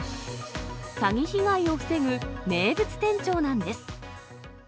詐欺被害を防ぐ名物店長なんです。